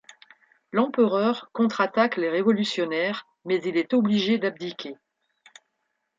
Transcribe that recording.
L'empereur contre-attaque les révolutionnaires mais il est obligé d'abdiquer.